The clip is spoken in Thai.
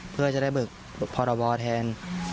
เพื่อจะได้เบิกพอร์ตอวอร์แทน